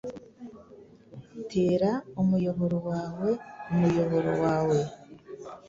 Tera umuyoboro wawe umuyoboro wawe